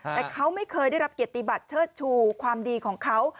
แต่เขาไม่เคยได้รับเกียรติบัติเชิดชูความดีของเขา